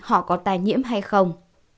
họ có tài nhiễm hay không